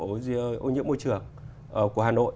ô nhiễm môi trường của hà nội